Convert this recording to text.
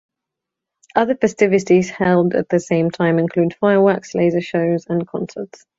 Other festivities held at the same time include fireworks, laser shows, and concerts.